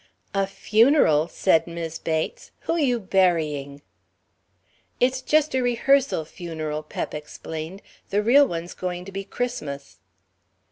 "A funeral," said Mis' Bates. "Who you burying?" "It's just a rehearsal funeral," Pep explained; "the real one's going to be Christmas."